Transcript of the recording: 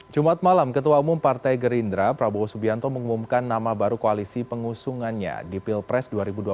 jumat malam ketua umum partai gerindra prabowo subianto mengumumkan nama baru koalisi pengusungannya di pilpres dua ribu dua puluh